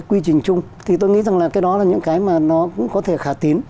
quy trình chung thì tôi nghĩ rằng là cái đó là những cái mà nó cũng có thể khả tín